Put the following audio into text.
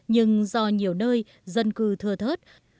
nhưng do nhiều nơi dân cư thừa thớt